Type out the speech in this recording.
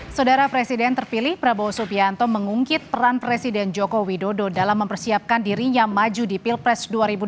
saudara presiden terpilih prabowo subianto mengungkit peran presiden joko widodo dalam mempersiapkan dirinya maju di pilpres dua ribu dua puluh